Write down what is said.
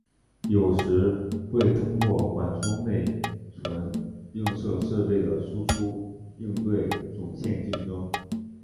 有时会通过缓冲内存映射设备的输出应对总线竞争。